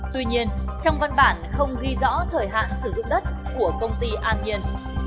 tuy nhiên trong văn bản không ghi rõ thời hạn sử dụng đất của công ty an nhiên